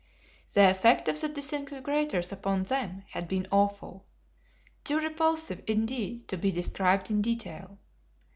The effect of the disintegrators upon them had been awful too repulsive, indeed, to be described in detail.